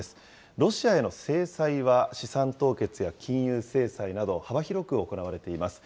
ロシアへの制裁は資産凍結や金融制裁など、幅広く行われています。